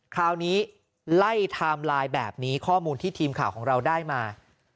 คราวนี้ไล่ไทม์ไลน์แบบนี้ข้อมูลที่ทีมข่าวของเราได้มา